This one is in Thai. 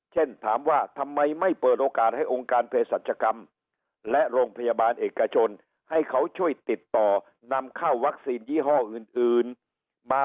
เช่นทำไมไม่เปิดโอกาสให้โรงการพฤษัตริย์กรรมและโรงพยาบาลเอกชนให้เขาช่วยติดต่อนำเข้าวัคซีนยี่ห้ออื่นมาบริการ